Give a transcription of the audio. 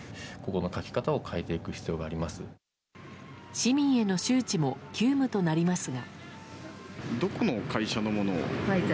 市民への周知も急務となりますが。